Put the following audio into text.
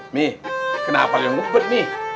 mi kenapa lu ngubet mi